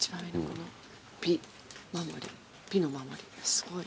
すごい。